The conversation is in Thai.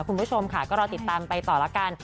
คุณผู้ชมค่ะก็รอติดตามไปต่อละกัน